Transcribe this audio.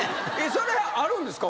それあるんですか？